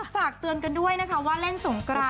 ฝากเตือนกันด้วยนะคะว่าเล่นสงกราน